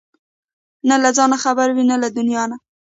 نه له ځانه خبر وي نه له دنيا نه!